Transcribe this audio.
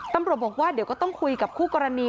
ตำรวจบอกว่าเดี๋ยวก็ต้องคุยกับคู่กรณี